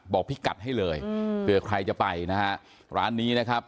พิกัดให้เลยเผื่อใครจะไปนะฮะร้านนี้นะครับ